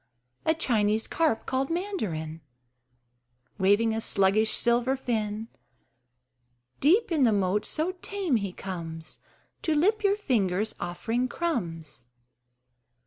A Chinese carp (called Mandarin) Waving a sluggish silver fin Deep in the moat: so tame he comes To lip your fingers offering crumbs.